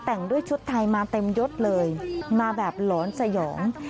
แต่งด้วยชุดไทยมาเต็มยดเลยมาแบบหลอนสยอง